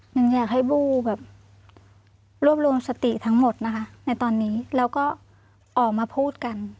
หนึ่งอยากให้บู้แบบรวบรวมสติทั้งหมดนะคะในตอนนี้แล้วก็ออกมาพูดกัน